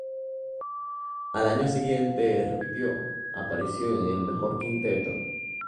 Al año siguiente repitió aparición en el mejor quinteto.